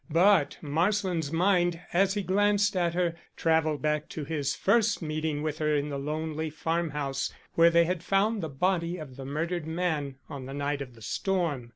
But Marsland's mind, as he glanced at her, travelled back to his first meeting with her in the lonely farm house where they had found the body of the murdered man on the night of the storm.